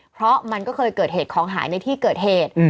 เพราะมันก็เคยเกิดเหตุของหายในที่เกิดเหตุ